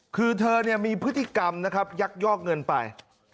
คือเธอมีพฤติกรรมยักษ์ยอกเงินไป